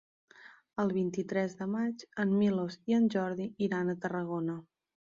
El vint-i-tres de maig en Milos i en Jordi iran a Tarragona.